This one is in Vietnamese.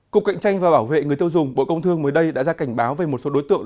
cục cạnh tranh và bảo vệ người tiêu dùng bộ công thương mới đây đã ra cảnh báo về một số đối tượng